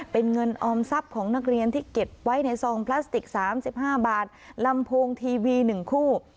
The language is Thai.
เป็นเงินออมทรัพย์ของนักเรียนที่เก็บไว้ในซองพลาสติก๓๕บาทลำโพงทีวี๑คู่